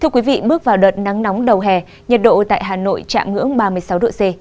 thưa quý vị bước vào đợt nắng nóng đầu hè nhiệt độ tại hà nội chạm ngưỡng ba mươi sáu độ c